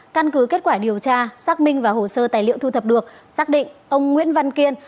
căn cứ kết quả điều tra xác minh và hồ sơ tài liệu thu thập được xác định ông nguyễn văn kiên